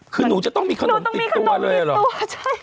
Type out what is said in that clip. คือหนูจะต้องมีขนมติดตัวเลยหรอหนูต้องมีขนมติดตัวใช่